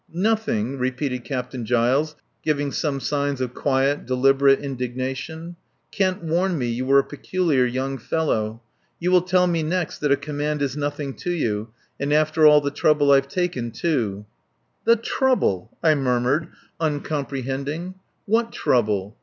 ... "Nothing!" repeated Captain Giles, giving some signs of quiet, deliberate indignation. "Kent warned me you were a peculiar young fellow. You will tell me next that a command is nothing to you and after all the trouble I've taken, too!" "The trouble!" I murmured, uncomprehending. What trouble?